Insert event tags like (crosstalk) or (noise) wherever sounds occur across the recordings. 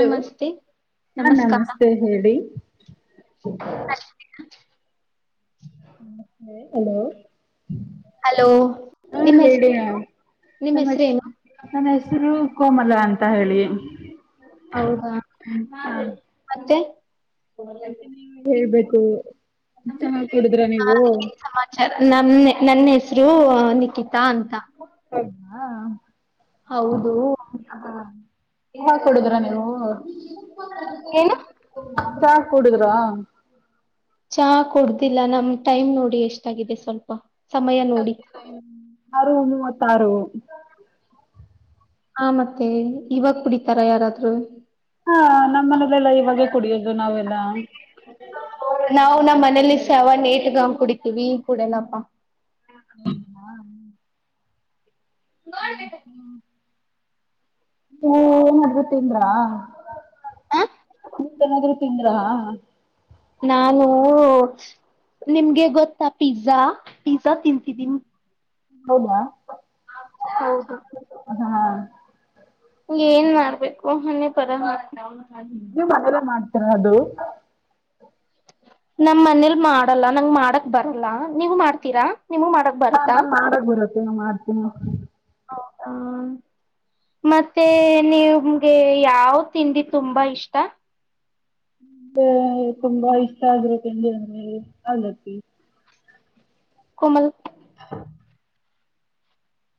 Hello ಹಾ ನಮಸ್ಕಾರ ನಮಸ್ತೆ ಹೇಳಿ ಹಲೋ ಹಲೋ ಹಾ ನಿಮ್ಮ ಹೇಳಿ ಹೆಸರೇನು ನಿಮ್ಮ ಸಮಸ್ಯೆ ಹೆಸರೇನು ನನ್ನ ಹೆಸರು ಕೋಮಲ ಅಂತ ಹೇಳಿ ಹೌದಾ ಹಾ ಮತ್ತೆ ಮತ್ತೆ ಹೇಳ್ಬೇಕು ಚಹ ಕುಡಿದ್ರ ನೀವು ನಮ ನನ್ನ ಹೆಸರು ನಿಕಿತಾ ಅಂತ (unintelligible) ನಾ ಹೌದು ಅ ಹ ಕೊಡಿದರಾ ನೀವು ಏನು ಚಾ ಕುಡಿದರಾ. ಚಾ ಕೊಡ್ದಿಲ್ಲ ನಮ ಟೈಮ್ ನೋಡಿ ಎಷ್ಟಾಗಿದೆ ಸ್ವಲ್ಪ ಸಮಯ ನೋಡಿ. (unintelligible) ಆರು ಮೂವತ್ತಾರು ಹಾ ಮತ್ತೆ ಇವಾಗ ಕುಡಿತಾರ ಯಾರಾದ್ರು ಹಾ ನಮ್ಮ್ ಮನೇಲೆಲ್ಲಾ ಇವಾಗೆ ಕುಡಿಯೋದು ನಾವೆಲ್ಲಾ ನಾವು ನಮ್ಮ್ ಮನೇಲಿ ಸಾವ ನೇಟ್ಗ ಹ ಕುಡಿತೀವಿ ಕುಡಿಯಲ್ಲಪ್ಪ. ಹ್ಮ ಹಾ್ಮ (unintelligible) ನಡ್ (unintelligible) ಓ ಏನಾದ್ರೂ ತಿಂದ್ರಾ ಹ? ಊಟ ನಾದ್ರು ತಿಂದ್ರಾ ನಾನು ನಿಮ್ಗೆ ಗೊತ್ತಾ ಪಿಜ್ಜಾ ಪಿಜ್ಜಾ ತಿಂತಿದೀನಿ ಹೌದ ಹೌದು ಹಾ ಏನ್ ಮಾಡ್ಬೇಕು ಹೆ ಪರ ಅವ್ರು ಮಾಡ್ತೀರಾದು. ನಮ್ ಮನೇಲ್ ಮಾಡಲ್ಲ ನಂಗ್ ಮಾಡಕ್ ಬರಲ್ಲ ನೀವು ಮಾಡ್ತೀರಾ ನೀವು ಮಾಡಕ್ - - ಹಾ ನಾನ್ಗ್ ಮಾಡಕ್ ಬರುತ್ತೆ ನಾ ಮಾಡ್ತೀನಿ. ಹೌದ. ಮತ್ತೆ ನಿಮ್ಗೆ ಯಾವ್ ತಿಂಡಿ ತುಂಬಾ ಇಷ್ಟ. ನನ್ಗೆ ತುಂಬಾ ಇಷ್ಟ ಆಗಿರೊ ತಿಂಡಿ ಅಂದ್ರೆ (unintelligible) ಕಮಲ್ (unintelligible)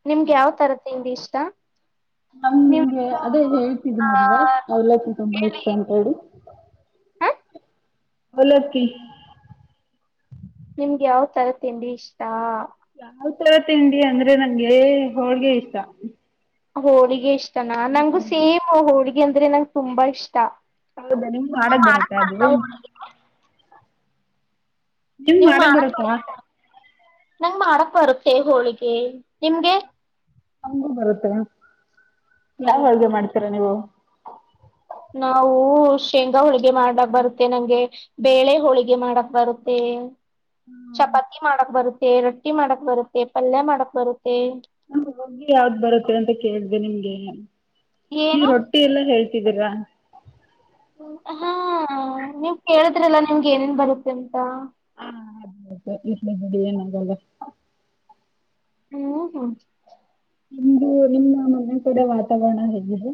ನಿಮ್ಗೆ ಯಾವ್ತರ ತಿಂಡಿ ಇಷ್ಟ. ನಿಮ್ ನಮ್ಗೆ ಅದೇ ಹೇಳ್ತಿದ್ ಆ ನಲ್ವ ಅವಲಕ್ಕಿ ತುಂಬಾ ಹೇಳಿ ಇಷ್ಟ ಅಂತೇಳಿ. ಹ ಅವಲಕ್ಕಿ ನಿಮ್ಗೆ ಯಾವ್ ತರ ತಿಂಡಿ ಇಷ್ಟ. ಯಾವ್ ತರ ತಿಂಡಿ ಅಂದ್ರೆ ನಂಗೆ ಹೋಳ್ಗೆ ಇಷ್ಟ. ಹೋಳಿಗೆ ಇಷ್ಟನಾ ನಂಗು ಸೇಮ್ ಹೋಳಿಗೆ ಅಂದ್ರೆ ನಂಗ್ ತುಂಬಾ ಇಷ್ಟ. ಹೌದಾ ನಿಮ್ಗ್ ನೀವ್ ಮಾಡಕ್ ಬರುತ್ತ ಅದು. ಬರ್ತಾ ಹೋಳಿಗೆ ನಿಮ್ಗ್ ನೀವ ಮಾಡಕ್ ಬರುತ್ತಾ ಬರುತ್ತ ನಂಗ್ ಮಾಡಕ್ ಬರುತ್ತೆ ಹೋಳಿಗೆ ನಿಮ್ಗೆ. ಹೂ ಅಂಗು ಬರುತ್ತ ಯಾವ್ ಹೌದಾ ಹೊಳಿಗೆ ಮಾಡ್ತೀರ ನೀವು. ನಾವು ಶೇಂಗಾ ಹೋಳ್ಗೆ ಮಾಡಕ್ ಬರುತ್ತೆ ನಂಗೆ. ಬೇಳೆ ಹೋಳಿಗೆ ಮಾಡಕ್ ಬರುತ್ತೆ. ಚಪಾತಿ ಮಾಡಕ್ ಬರುತ್ತೆ ರೊಟ್ಟಿ ಮಾಡಕ್ ಬರುತ್ತೆ ಪಲ್ಯ ಮಾಡಕ್ ಬರುತ್ತೆ. ಹಗ್ಗಿ ಯಾವ್ದ್ ಬರುತ್ತೆ ಅಂತ ಕೇಳ್ದ ನಿಮ್ಗೆ ನೀವ್ ಏನು ರೊಟ್ಟಿ ಎಲ್ಲಾ ಹೇಳ್ತಿದ್ದೀರಾ. ಹಾ ನೀವ್ ಕೇಳಿದ್ರಲ್ಲಾ ನಿಮ್ಗೆ ಏನೇನ್ ಬರುತ್ತೆ ಅಂತ. ಹಾ ಇಟ್ಲ ಬಗೆ ಏನ ಆಗಲ್ಲ ಹ್ಮ್ ಹ್ಮ ನಿಮ್ದು ನಿಮ್ಮ ಮನೆ ಕಡೆ ವಾತಾವರಣ ಹೇಗಿದೆ.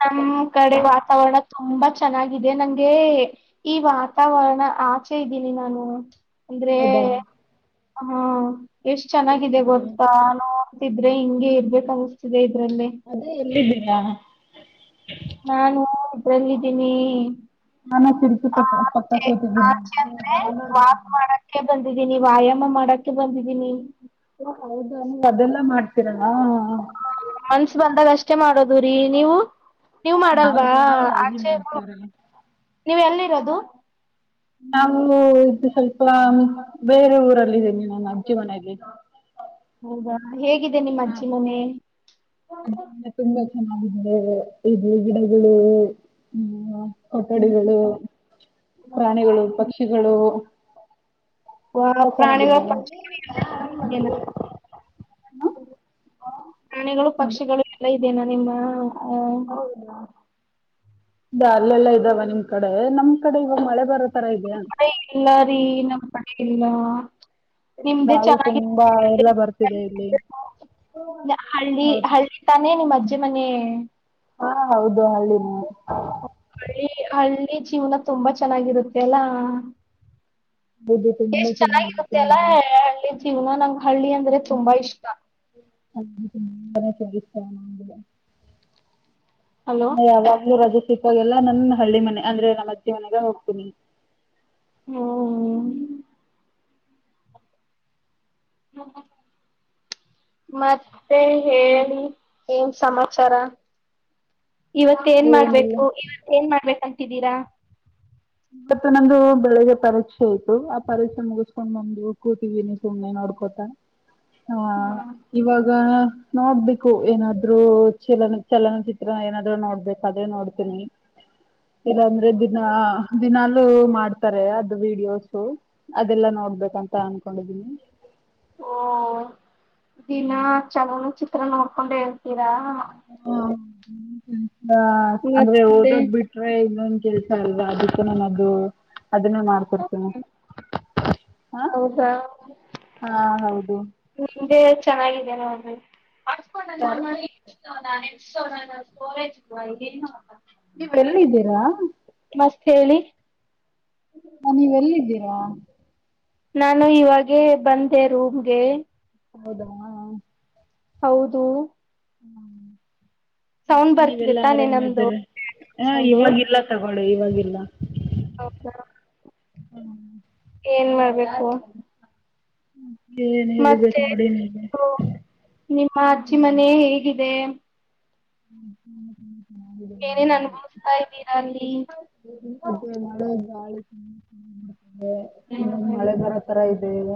ನಮ್ ಕಡೆ ವಾತಾವರಣ ತುಂಬಾ ಚೆನ್ನಾಗಿದೆ ನಂಗೆ. ಈ ವಾತಾವರಣ ಆಚೆ ಇದ್ದೀನಿ ನಾನು. ಅಂದ್ರೆ ಹೌದಾ ಹ ಎಷ್ಟ ಚೆನ್ನಾಗಿದೆ ಗೊತ್ತಾ ನ ತಿದ್ರೆ ಹಿಂಗೆ ಇರ್ಬೇಕ ಅಗಿಸ್ತಿದೆ ಇದ್ರಲ್ಲೆ. ಅದೇ ಎಲ್ಲಿದ್ದೀರಾ. ನಾನು ಇದ್ರಲ್ಲಿದ್ದೀನಿ. ನಾನಾ ತಿರ್ಚಿ ಪಕ್ ಪಕ್ಕ ಆಚೆ ಕೂತಿದ್ದೀನಿ. ಕ್ಕೆ ಬಂದಿದ್ದೀನಿ ವ್ಯಾಯಾಮ ಮಾಡಕ್ಕೆ ಬಂದಿದ್ದೀನಿ. ಹ ಹೌದಾ ನೀವ್ ಅದೆಲ್ಲಾ ಮಾಡ್ತೀರ. ಮನ್ಸ ಬಂದಾಗ ಅಷ್ಟೇ ಮಾಡೋದು ರೀ ನೀವು ನೀವ್ ನಾವ್ ಮಾಡಲ್ವಾ ನಾವ್ ಆಚೆ. ಮಾಡ್ತೇವ್ರಿ ನೀವ್ ಎಲ್ಲಿರೋದು. ನಾವು ಇದು ಸ್ವಲ್ಪ ಬೇರೆ ಊರಲ್ ಇದ್ದೀನಿ ನಮ್ ಅಜ್ಜಿ ಮನೆಗೆ. ಹೌದಾ ಹೇಗಿದೆ ನಿಮ್ಮ ಹಾ, ಅಜ್ಜಿ ಮನೆ. ಅಜ್ಜಿ ಮನೆ ತುಂಬಾ ಚೆನ್ನಾಗಿದೆ ಇದು ಗಿಡಗುಳು ಹ ಹ್ಮ ಕೊಠಡಿಗಳು ಪ್ರಾಣಿಗಳು ಪಕ್ಷಿಗಳು. ವ ತುಂಬಾ ಪ್ರಾಣಿಗಳು ಚೆನ್ನಾಗಿದೆ ಪಕ್ಷಿಗಳು ಹ್ಮ್ (unintelligible) ಪ್ರಾಣಿಗಳು ಹೌದು. ಪಕ್ಷಿಗಳು ಎಲ್ಲ ಇದೇನಾ ನಿಮ್ಮ ಅ ಹೌದಾ ಇದ ಅಲ್ಲೆಲ್ಲಾ ಇದಾವ ನಿಮ್ ಕಡೆ ನಮ್ ಕಡೆ ಇವ ಮಳೆ ಬರೋ ತರ ಇದ್ಯ. ಎ ಇಲ್ಲ ರೀ ನಮ್ಮ್ ಕಡೆ ಇಲ್ಲ. ಎಲ್ಲ ನಿಮ್ದೇ ಗಾಳಿ ತುಂಬಾ ಚೆನ್ನಾಗಿರುತ್ತೆ ಎಲ್ಲ ಬರ್ತಿದೆ ಇಲ್ಲಿ ಹಳ್ಳಿ ಹೌದು ಹಳ್ಳಿ ತಾನೇ ನಿ ಮಜ್ಜಿ ಮನೆ ಹಾಂ ಹೌದು ಹಳ್ಳಿಮನೆ. ರಿ ಹಳ್ಳಿ ಜೀವನ ತುಂಬಾ ಚೆನ್ನಾಗಿರುತೆಲ್ಲಾ ಇದು ತುಂಬಾ ಎಷ್ಟ ಚೆನ್ನಾಗಿರುತ್ತೆ ಅಲ್ಲ ಇಲ್ಲಿ ಹಳ್ಳಿ ಜೀವನ ನಂಗ್ ಹಳ್ಳಿ ಅಂದ್ರೆ ತುಂಬಾ ಇಷ್ಟಾ. ಅ (unintelligible) ಹಲೋ (unintelligible) ಯಾವಾಗ್ಲೂ ರಜೆ ಸಿಕ್ಕಾಗೆಲ್ಲಾ ನನ್ ಹಳ್ಳಿ ಮನೆ ಅಂದ್ರೆ ನಮ್ಮಜ್ಜಿ ಮನೆಗೆ ಹೋಗ್ತೀನಿ. ಹ್ಮ (unintelligible) ಮತ್ತೆ ಹೇಳಿ ಏನ್ ಸಮಾಚಾರಾ ಇವತ್ತ ಏನ್ ಏನಿಲ್ಲ ಮಾಡ್ಬೇಕು (unintelligible) ಏನ್ ಮಾಡ್ಬೇಕಂತಿದ್ದೀರಾ. ಇವತ್ತು ನಂದು ಬೆಳಿಗ್ಗೆ ಪರೀಕ್ಷೆ ಇತ್ತು ಪರೀಕ್ಷೆ ಮುಗಿಸ್ಕೊಂಡ್ ಬಂದು ಕೂತಿದೀನಿ ಸುಮ್ನೆ ನೋಡ್ಕೊತ. ಹಾಂ ಇವಾಗ ನೋಡ್ಬೇಕು ಏನಾನದ್ರು ಚಿಲನ ಚಲನಚಿತ್ರ ಏನಾದ್ರು ನೋಡ್ಬೇಕಾದ್ರೆ ನೋಡ್ ಇಲ್ಲಾ ಅಂದ್ರೆ ದಿನಾ ದಿನಾಲೂ ಮಾಡ್ತಾರೆ ಅದು ವಿಡಿಯೋಸು ಅದೆಲ್ಲಾ ನೋಡ್ಬೇಕಂತ ಅನ್ಕೊಂಡಿದೀನಿ ಓ ದಿನಾ ಚಲನಚಿತ್ರ ನೋಡ್ಕೊಂಡೆ ಇರ್ತೀರಾ ಹ್ಮ (unintelligible) ಅಂದ್ರೆ ಮತ್ತೆ ಓದದ್ ಬಿಟ್ ಟ್ರೖ ಇನ್ನೊಂದ್ ಕೆಲ್ಸ ಅಲ್ವಾ ಅದಕು ನಾನದು ಅದನ್ನೇ ಮಾಡ್ ಕೊಡ್ತೇನಿ ಹಾಂ ಹಾಂ ನಿಮ್ದೆ ಚೆನ್ನಾಗಿದೆ ನೋಡ್ರಿ (unintelligible) ಸೊನಾನೆ ಸೊನಾನ (unintelligible) ನೀವ್ ಎಲ್ಲಿದ್ದೀರಾ ಮಸ್ತ್ ಹೇಳಿ ಹಾಂ ನೀವ್ ಎಲ್ಲಿದ್ದೀರಾ ನಾನು ಇವಾಗೇ ಬಂದೆ ರೂಮ್ಗೆ ಹೌದ ಹೌದು ಸೌಂಡ್ ಮತ್ತೆ ಬರ್ತಿದೆ ನೀವೆಲ್ಲಾ ತಾನೆ ಆರಾಮ ನಮ್ದು ಇದ್ದ್ರ ಹ ಸೌಂಡು ಇವಾಗಿಲ್ಲ ತಗೋಳು ಇವಾಗಿಲ್ಲ ಹೌದಾ ಹ್ಮ ಏನ್ ಮಾಡ್ಬೇಕು ಹಂ ಏನ್ ಹೇಳ್ಬೇಕ್ ಮತ್ತೆ ನೋಡಿ ನೀವೇ ನಿಮ್ಮ ಅಜ್ಜಿ ಮನೆ ಹೇಗಿದೆ ಹ್ಮ್ ಹ್ಮ್ ಹ್ಮ ಏನೇನ್ ಅನುಭವಿಸ್ತಾ ಇದ್ದೀರಾ ಅಲ್ಲಿ ಅದೆ ಮಳೆ ಗಾಳಿ ಇನ್ನೊಂದು ಮಳೆ ಬರೋ ತರ ಇ ಈಗ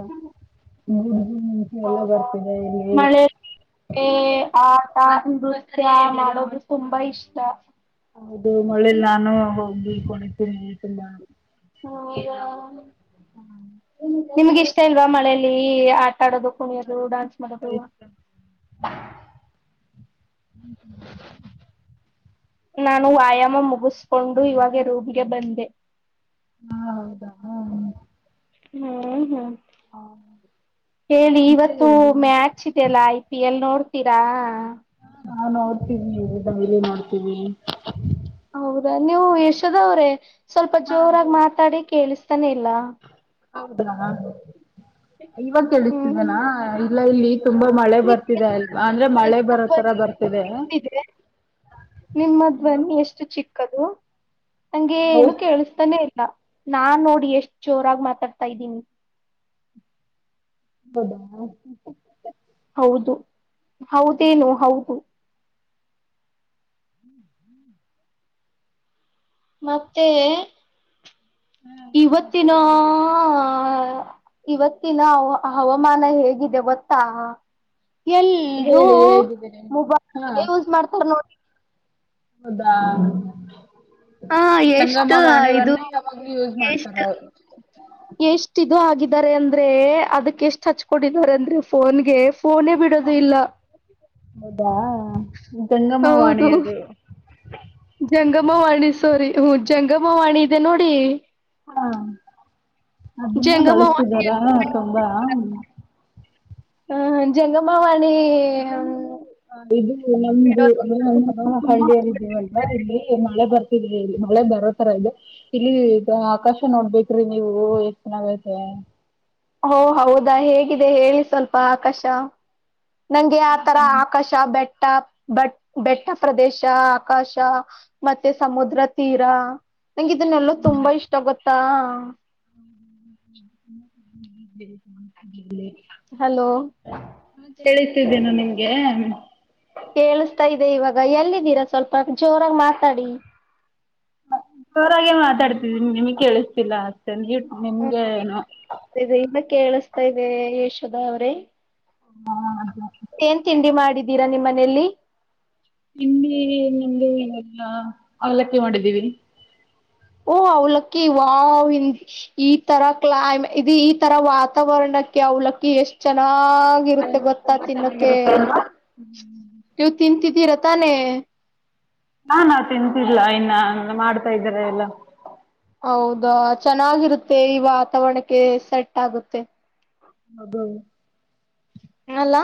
ಗುಜುಂಸ ಎಲ್ಲ ಬರ್ತದೆ ಇಲ್ಲಿ ಆ ನಳೊಬ್ರು ತುಂಬಾ ಇಷ್ಟ ಹೌದು ಮಳೇಲಿ ನಾನು ಹೋಗಿ ಕೊಂಡಿತೀನಿ ಲ್ಲ ಹ ನಿಮ್ಗೆ ಇಷ್ಟ ಇಲ್ವಾ ಮಳೇಲಿ ಆ ತಡೋದಕ ಡಾನ್ಸ್ ಮಾಡ ್ಮ (unintelligible) ನಾನು ವ್ಯಾಯಾಮ ಮುಗಿಸ್ಕೊಂಡು ಇವಾಗ ರೂಬಿಗೆ ಬಂದೆ ಹಾ ಹೌದಾ ಹಾ ಹು ಹು ಹೇ ಳ್ ಮತ್ತೆ ಇವತ್ತು ಹೇಳಿ ಮ್ಯಾಕ್. ಚ್ಚಿದೆಲ್ಲ ಐ ಪಿ ಎಲ್ ನೋಡ್ತೀರಾ. ನಾ ನೋಡ್ತೀವಿ ಡೆಲಿ ನೋಡ್ತೀವಿ. ಹೌದಾ ನೀವು ಯಶೋದವ್ರೆ ಸ್ವಲ್ಪ ಜೋರಾಗಿ ಮಾತಾಡಿ ಕೇಳಿಸ್ತಾನೆ ಇಲ್ಲಾ. ಹೌದಾ ಇವಾಗ ಹ್ಮ್ ಕೇಳಿಸ್ತಿದೆನಾ ಇಲ್ಲ ಇಲ್ಲಿ. ತುಂಬಾ ಮಳೆ ಬರ್ತಿದೆ ಅಲ್ವಾ ಅಂದ್ರೆ ಮಳೆ ನಿಮ್ಮ ಬರೋ ತರ ಧ್ವನಿ ಬರ್ತಿದೆ. ಇದೆ ನಿಮ್ಮ ಧ್ವನಿ ಎಷ್ಟು ಚಿಕ್ಕದು ನಂಗೆ ಏನು ಕೇಳಿಸ್ತಾನೆ ಇಲ್ಲ. ನಾ ನಾನ್ ನೋಡ ಎಷ್ಟ್ ಜೋರಾಗಿ ಮಾತಾಡ್ತಾ ಇದ್ದೀನಿ. ಹೌದಾ ಹೌದು ಹೌದೇನು ಹೌದು. ಹು ಹು ಮತ್ತೆ ಇವತ್ತಿನ ಇವತ್ತಿನ ಹ ಹವಾಮಾನ ಹೇಗಿದೆ ಗೊತ್ತಾ. ಎಲ್ರೂ ಹೇಳಿ ಹೇಗಿದೆ ಹಾ ಮೊಬೈಲ್ ಯೂಸ್ ಮಾಡ್ತಾರ ನೋಡ್ರಿ. ಹೌದಾ ಹಾ ಜಂಗಮ ಎಷ್ಟು ಇದು ವಾಣಿವವನ್ನ ಯಾವಾಗ್ಲೂ ಯೂಸ್ ಮಾಡ್ತಾರ ಅವ್ರು. ಎಷ್ಟ ಇದು ಆಗಿದ್ದಾರೆ ಅಂದ್ರೆ ಅದಕ್ಕೆ ಎಷ್ಟ್ ಹಚ್ಕೊಂಡಿದ್ದಾರೆ ಅಂದ್ರೆ ಫೋನ್ಗೆ ಫೋನೇ ಬಿಡ. ಹ ಹೌದಾ ಡಂಗಮವಾಣಿ ಹೌದು ಅದು. ಜಂಗಮವಾಣಿ ಸೋರಿ ಹು ಜಂಗಮವಾಣಿ ಇದೆ ನೋಡಿ. ಹಾ ಅದನ್ನ ಜಂಗಮವಾಣಿ ಬಳಸ್ತಿದಾರ ತುಂಬಾ. ಹಾಯ್. ಇಲ್ಲ ನಾವು ಇದು ನಮ್ದು ಬಿಡೋದು ಏನ ಅಂದಲ್ಲ ಹಳ್ಳಿಯಲ್ಲಿದ್ದೀವಂತ. ದ ಇಲ್ಲಿ ಮಳೆ ಬರ್ತಿದೆ ಇಲ್ಲಿ ಮಳೆ ಬರೋ ತರ ಇದೆ. ಇಲ್ಲಿ ಆಕಾಶ ನೋಡ್ಬೇಕ್ರಿ ನೀವು ಎಷ್ಟ್ ಚೆನ್ನಾಗಐತೆ. ಓ ಹೌದಾ ಹೇಗಿದೆ ಹೇಳಿ ಸ್ವಲ್ಪ ಆಕಾಶ ನಂಗೆ ಆತರ ಆಕಾಶ. ಬೆಟ್ಟ ಬೆಟ್ಟ ಬಟ್ ಪ್ರದೇಶ ಆಕಾಶ. ಮತ್ತೆ ಸಮುದ್ರ ತೀರಾ ನಂಗ ಇದನ್ನೆಲ್ಲ ತುಂಬಾ ಇಷ್ಟ ಗೊತ್ತಾ. ಹು ಹು ಹು ಹು ಇಲ್ಲೆ. ಹಲೋ ಹ ಕೇಳಸ್ತೀದೆನಾ ನಿಮ್ಮಗೆ. ಕೇಳಿಸಸ್ತಾ ಇದೆ ಇವಾಗ ಎಲ್ಲಿದ್ದೀರಾ ಸ್ವಲ್ಪ ಜೋರಾಗಿ ಮಾತಾಡಿ. ಜೋರಾಗೆ ಮಾತಾಡ್ತಿದೀನಿ ನಿಮ್ಗೆ ಕೇಳಿಸ್ತಿಲ್ಲ ಅಷ್ಟೆ ನೀವ್ ನಿಮ್ಗೆ ಏನು. ದೆ ದೆ ಇನ್ನ ಕೇಳಸ್ತಾ ಇದೆ ಯಶೋದಾ ಅವ್ರೇ. ಹಾ ಅದ. ಏನ್ ತಿಂಡಿ ಮಾಡಿದ್ದೀರಾ ನಿಮ್ಮ್ ಮನೆಲಿ. ತಿಂಡಿ ಏನಲ್ಲ ಅವಲಕ್ಕಿ ಮಾಡಿದ್ದೀವಿ. ಓ ಅವಲಕ್ಕಿ ವಾವ್. ಈ ತರಾ ಕ್ಲಮ್ ಇದು ಈ ತರ ವಾತಾವರಣಕ್ಕೆ ಅವಲಕ್ಕ ಎಷ್ಟ್ ಚೆನ್ನಾಗಿ ಇರುತ್ತೆ ಗೊತ್ತಾ ತಿನ್ನೋಕೆ ನೀವು ತಿಂತಿದ್ದೀರಾ ತಾನೆ. ಹಾ ನಾವ್ ತಿಂತಿಲ್ಲ ಇನ್ನ ಮಾಡ್ತಾ ಇದ್ದಾರೆ ಎಲ್ಲಾ. ಹೌದಾ ಚೆನ್ನಾಗಿರುತ್ತೆ ಈ ವಾತಾವರಣಕ್ಕೆ ಸೆಟ್ ಆಗುತ್ತೆ. ಹೌದು. ಹೇಳಲ್ಲಾ.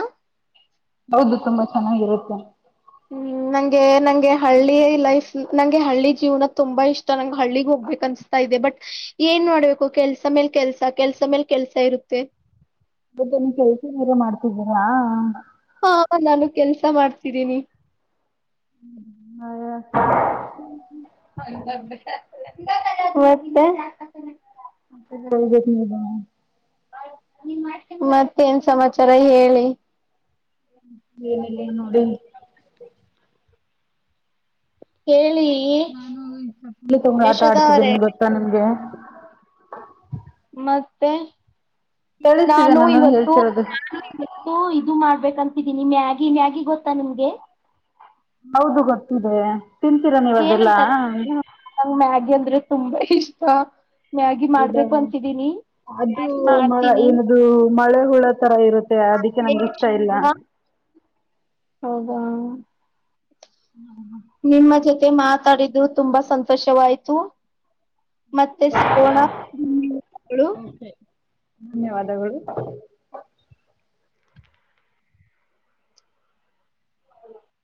ಹೌದು ತುಂಬಾ ಚೆನ್ನಾಗಿರುತ್ತೆ. ಹು ನಂಗೆ ನಂಗೆ ಹಳ್ಳಿ ಲೈಫ್ ನಂಗೆ ಹಳ್ಳಿ ಜೀವನ ತುಂಬಾ ಇಷ್ಟ ನಂಗ್ ಹಳ್ಳಿಗ್ ಹೋಗ್ಬೇಕ ಅನ್ಸ ತ ಇದೆ ಬಟ್ ಏನ್ ಮಾಡ್ಬೇಕು ಕೆಲ್ಸ ಮೇಲ್ ಕೆಲ್ಸ ಕೆಲ್ಸ ಮೇಲ್ ಕೆಲ್ಸ ಇರುತ್ತೆ. ಮತ್ತೆ ನೀವ್ ಕೆಲ್ಸನರ ಮಾಡ್ತಿದ್ದೀರಾ. ಹಾ ನಾನು ಕೆಲ್ಸ ಮಾಡ್ತಿದ್ದೀನಿ. (unintelligible) ಮತ್ತೇ. (unintelligible) ಮತ್ತೇನ್ ಸಮಾಚಾರ ಹೇಳಿ. ಏನಿಲ್ಲ ನೋಡಿ ಕೇಳಿ. ನಾನು ಈ ಚಪ್ಲಿ ತಗೊಂಡ್ ಆಟ ಅವ್ರೇ ಆಡ್ತಿದೀನ್ ಗೊತ್ತಾ ನಿಮ್ಗೆ. ಮತ್ತೆ ಕೇಳಿಸ್ತಿದೆ ನಾನು ಇವತ್ತು ಹೇಳ್ತಿರೋದು ಇದು ಇದು ಮಾಡ್ಬೇಕಂತಿದ್ದೀನಿ ಮ್ಯಾಗಿ ಮ್ಯಾಗಿ ಗೊತ್ತಾ ನಿಮ್ಗೆ. ಹೌದು ಗೊತ್ತಿದೆ. ತಿಂತೀರಾ ನೀವ್ ಅದೆಲ್ಲಾ ಏನಂತಾರೆ ನಂಗ್ ಮ್ಯಾಗಿ ಅಂದ್ರೆ ತುಂಬಾ ಇಷ್ಟ. ಮ್ಯಾಗಿ ಹೌದಾ ಮಾಡ್ಬೇಕು ಅಂತಿದೀನಿ (unintelligible) ಮ ಮಾಡ್ತೀನಿ ಅದು ಏನದು ಮಳೆ ಹುಳ ತರ ಇರುತ್ತೆ ಅದಕ್ಕೆ ನಂಗಿಷ್ಟ ಇಲ್ಲ. ಹೌದಾ. ಹ್ಮ್. ನಿಮ್ಮ ಜೊತೆ ಮಾತಾಡಿದ್ದು ತುಂಬಾ ಸಂತೋಷವಾಯ್ತು. ಮತ್ತೆ ಸಿಗೋಣ ಧನ್ಯವಾದಗಳು. ಧನ್ಯವಾದಗಳು.